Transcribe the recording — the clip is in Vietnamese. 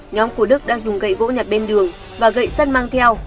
nhóm của đức đang dùng gậy gỗ nhặt bên đường và gậy sát mang theo